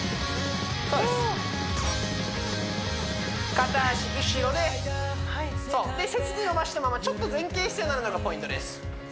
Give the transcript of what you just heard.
片足後ろでそうで背筋伸ばしたままちょっと前傾姿勢なるのがポイントです